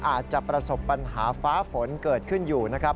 อาจจะประสบปัญหาฟ้าฝนเกิดขึ้นอยู่นะครับ